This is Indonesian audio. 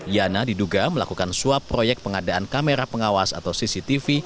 yana diduga melakukan suap proyek pengadaan kamera pengawas atau cctv